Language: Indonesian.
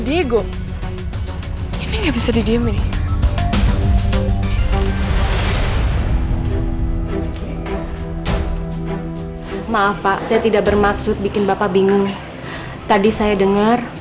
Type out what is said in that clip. diego ini habis maaf pak saya tidak bermaksud bikin bapak bingung tadi saya dengar